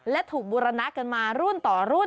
และถูกบูรณะกันมารุ่นต่อรุ่น